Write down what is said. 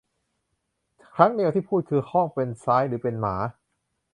ครั้งเดียวที่พูดคือห้อง เป็นซ้ายหรือเป็นหมา